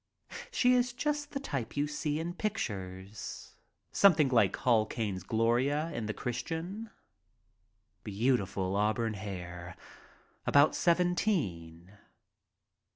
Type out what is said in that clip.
She is just the type you see in pictures, something like Hall Caine's Gloria in The Christian — beautiful auburn hair, about seventeen.